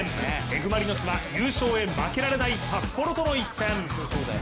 Ｆ・マリノスは優勝へ負けられない札幌との一戦。